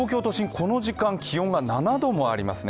この時間気温は７度もありますね。